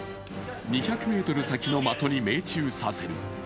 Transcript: ２００ｍ先の的に命中させる。